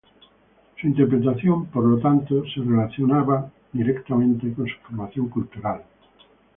Su interpretación, por lo tanto, se relacionaba directamente con su formación cultural.